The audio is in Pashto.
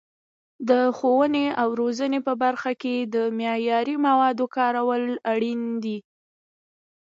د ښوونې او روزنې په برخه کې د معیاري موادو کارول اړین دي.